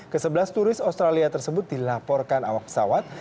kesebelas turis australia tersebut dilaporkan awak pesawat